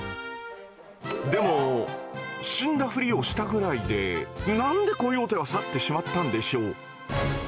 でも死んだふりをしたぐらいで何でコヨーテは去ってしまったんでしょう？